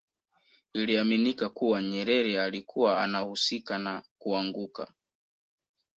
Iliaminika kuwa Nyerere alikuwa anahusika na kuanguka